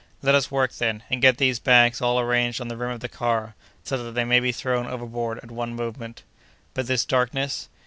"Let us work, then, and get these bags all arranged on the rim of the car, so that they may be thrown overboard at one movement." "But this darkness?"